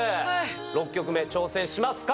６曲目挑戦しますか？